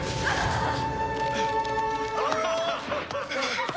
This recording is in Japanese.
ハハハハ！